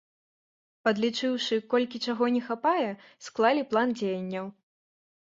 Падлічыўшы, колькі чаго не хапае, склалі план дзеянняў.